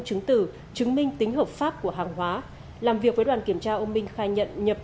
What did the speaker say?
chứng tử chứng minh tính hợp pháp của hàng hóa làm việc với đoàn kiểm tra ông minh khai nhận nhập